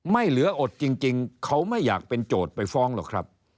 ไม่เหลืออดจริงเขาไม่อยากเป็นโจทย์ไปฟ้องหรอกครับ